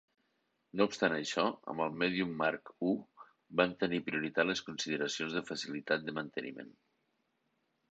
No obstant això, amb el Medium Mark I van tenir prioritat les consideracions de facilitat de manteniment.